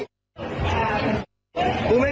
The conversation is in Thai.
รู้จักกูดี